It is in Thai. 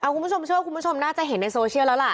คุณผู้ชมเชื่อว่าคุณผู้ชมน่าจะเห็นในโซเชียลแล้วล่ะ